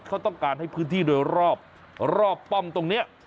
เขาต้องการให้พื้นที่โดยรอบรอบป้อมตรงนี้